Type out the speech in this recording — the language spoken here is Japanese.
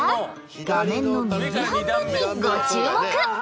画面の右半分にご注目。